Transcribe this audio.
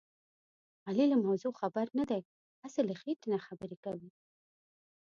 علي له موضوع خبر نه دی. هسې له خېټې نه خبرې کوي.